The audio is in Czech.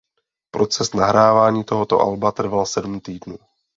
Proces nahrávání tohoto alba trval sedm týdnů.